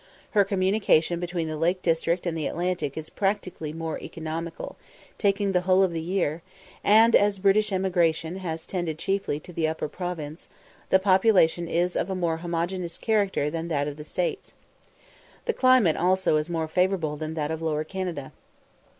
Her communication between the Lake district and the Atlantic is practically more economical, taking the whole of the year, and, as British emigration has tended chiefly to the Upper Province, the population is of a more homogeneous character than that of the States. The climate also is more favourable than that of Lower Canada.